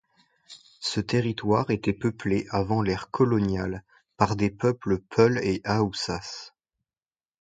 Ce territoire était peuplé avant l'ère coloniale par des peuples Peuls et Haoussas.